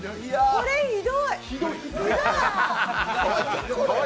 これ、ひど！